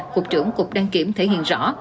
cục trưởng cục đăng kiểm thể hiện rõ